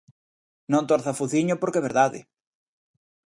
Non torza o fociño porque é verdade.